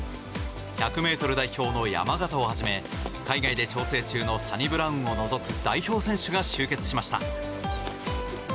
１００ｍ代表の山縣をはじめ海外で調整中のサニブラウンを除く代表選手が集結しました。